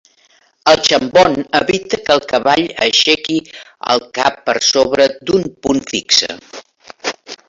El chambon evita que el cavall aixequi el cap per sobre d'un punt fixe.